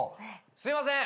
すいません！